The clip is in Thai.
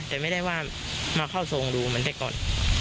แต่ไม่ได้ว่ามาเข้าทรงดูมันได้ก่อน